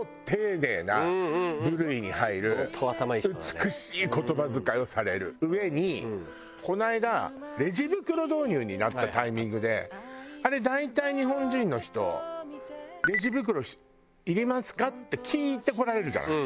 美しい言葉遣いをされる上にこの間レジ袋導入になったタイミングであれ大体日本人の人「レジ袋いりますか？」って聞いてこられるじゃない。